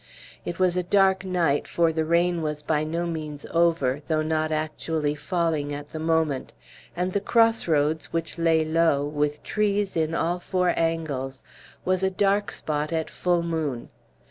It was a dark night, for the rain was by no means over, though not actually falling at the moment; and the cross roads, which lay low, with trees in all four angles, was a dark spot at full moon.